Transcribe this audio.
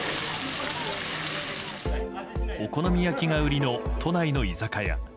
お好み焼きが売りの都内の居酒屋。